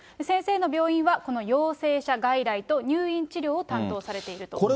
先生の病院は、この陽性者外来と入院治療を担当されていると。